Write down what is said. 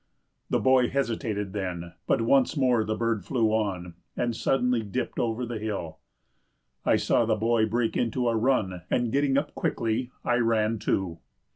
The boy hesitated then—but once more the bird flew on, and suddenly dipped over the hill. I saw the boy break into a run; and getting up quickly, I ran too.